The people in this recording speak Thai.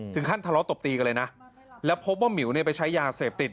ถึงขั้นทะเลาะตบตีกันเลยนะแล้วพบว่าหมิ๋วไปใช้ยาเสพติด